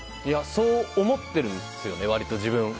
そう思っているんですよ割と、自分。